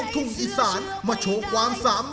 ต้องมาชมกันครับ